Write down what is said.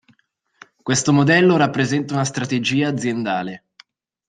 Questo modello rappresenta una strategia aziendale.